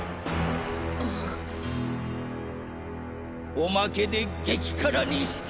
おまけで激辛にして。